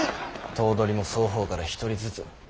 頭取も双方から一人ずつ。